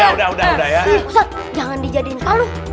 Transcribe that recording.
ustadz jangan dijadiin kalung